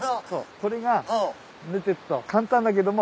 これが見てると簡単だけども。